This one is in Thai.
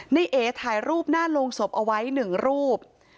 ในเอกถ่ายรูปหน้าลงศพเอาไว้หนึ่งรูป